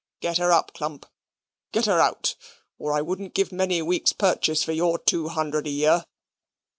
Get her up, Clump; get her out: or I wouldn't give many weeks' purchase for your two hundred a year."